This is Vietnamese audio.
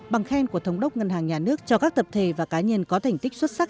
bằng khen của thống đốc ngân hàng nhà nước cho các tập thể và cá nhân có thành tích xuất sắc